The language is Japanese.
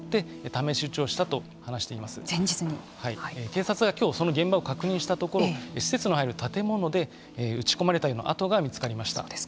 警察がきょうその現場を確認したところ施設の入る建物で撃ち込まれたような跡が見つかりました。